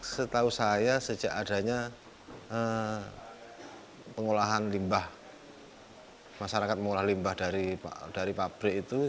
setahu saya sejak adanya pengolahan limbah masyarakat mengolah limbah dari pabrik itu